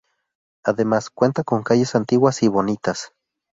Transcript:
Además, cuenta con calles antiguas y bonitas.